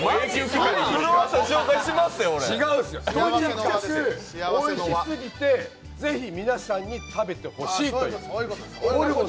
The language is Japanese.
とにかくおいしすぎてぜひ皆さんに食べてほしいという。